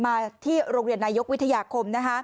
มาที่โรงเรียนนายกวิทยาคม